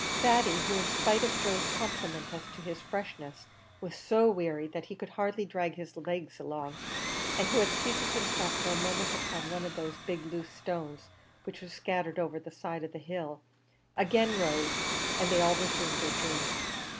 Thady, who, in spite of Joe's compliment as to his freshness, was so weary that he could hardly drag his legs along, and who had seated himself for a moment upon one of the big loose stones which were scattered over the side of the hill, again rose, and they all resumed their journey.